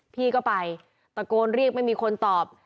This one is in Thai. พี่ก็ไปตะโกนเรียกไม่มีคนตอบ